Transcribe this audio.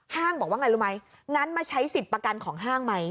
บอกว่าไงรู้ไหมงั้นมาใช้สิทธิ์ประกันของห้างไหม